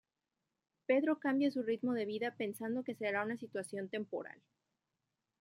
Pedro cambia su ritmo de vida pensando que será una situación temporal.